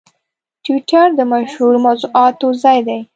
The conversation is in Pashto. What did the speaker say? ټویټر د مشهورو موضوعاتو ځای دی.